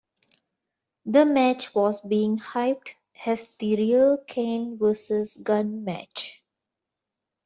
The match was being hyped as The Real Cane versus Gunn Match.